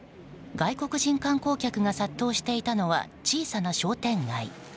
外国人観光客が殺到していたのは小さな商店街。